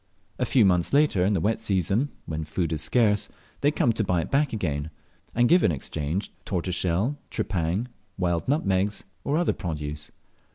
A few months later, in the wet season, when food is scarce, they come to buy it back again, and give in exchange tortoiseshell, tripang, wild nutmegs, or other produce.